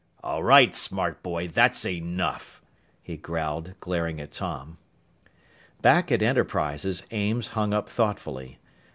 "All right, smart boy! That's enough!" he growled, glaring at Tom. Back at Enterprises, Ames hung up thoughtfully.